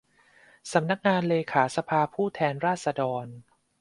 สำนักงานเลขาสภาผู้แทนราษฎร